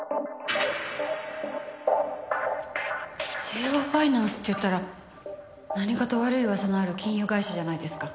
成和ファイナンスっていったら何かと悪い噂のある金融会社じゃないですか。